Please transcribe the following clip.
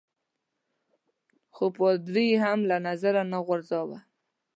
خو پادري يي هم له نظره نه غورځاوه.